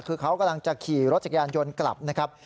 คือเขากำลังจะขี่รถจักรยานยนต์กลับนะครับ